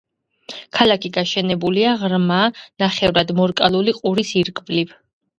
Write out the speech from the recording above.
ქალაქი გაშენებულია ღრმა, ნახევრად მორკალული ყურის ირგვლივ.